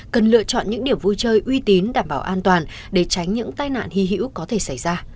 cần lựa chọn những điểm vui chơi uy tín đảm bảo an toàn để tránh những tai nạn hy hữu có thể xảy ra